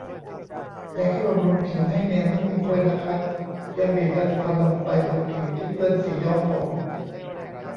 ยังช่วยบำรุงผิวให้เนียนนุ่มอีกด้วยนะคะ เพียงบีบยาสีฟันลงไปบนผิวที่เปื้อนสีย้อมผม